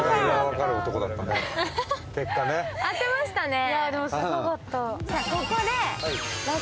当てましたね。